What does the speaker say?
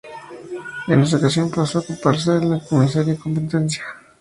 En esa ocasión pasó a ocuparse de la comisaría de Competencia.